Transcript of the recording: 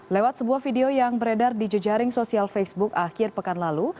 lewat sebuah video yang beredar di jejaring sosial facebook akhir pekan lalu